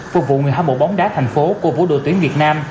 phục vụ người hâm mộ bóng đá tp hcm của vũ đội tuyển việt nam